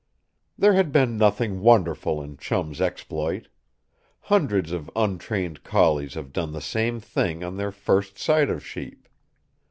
There had been nothing wonderful in Chum's exploit. Hundreds of untrained collies have done the same thing on their first sight of sheep.